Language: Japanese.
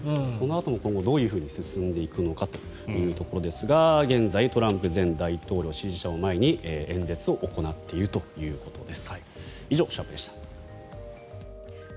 今後、どう進んでいくのかというところですが現在、トランプ前大統領支持者を前に演説を行っているということです。